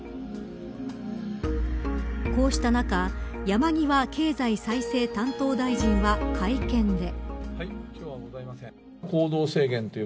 こうした中山際経済再生担当大臣は会見で。